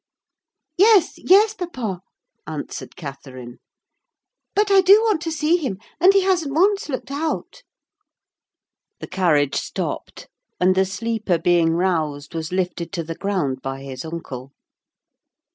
"Yes, yes, papa," answered Catherine: "but I do want to see him; and he hasn't once looked out." The carriage stopped; and the sleeper being roused, was lifted to the ground by his uncle.